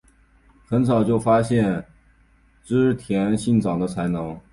很早就发现织田信长的才能。